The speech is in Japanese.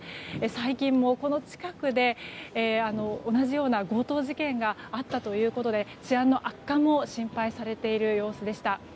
最近もこの近くで同じような強盗事件があったということで治安の悪化も心配されている様子でした。